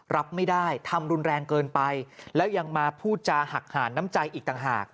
รับไม่ได้ทำรุนแรงเกินไปแล้วยังมาพูดจาหักหานน้ำใจอีกต่างหาก